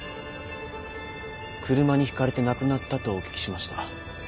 車にひかれて亡くなったとお聞きしました。